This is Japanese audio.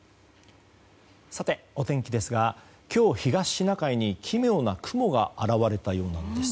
さて、お天気ですが今日、東シナ海に奇妙な雲が現れたようなんです。